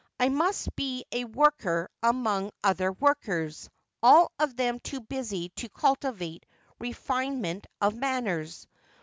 I must be a worker among other workers, all of them too busy to cultivate refine ment of manners.